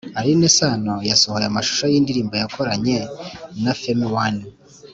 alyn sano yasohoye amashusho y’indirimbo yakoranye na femi one